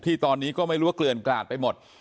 ที่ตอนนี้ก็ไม่รู้ว่าเกลื่อนกลาดไปหมด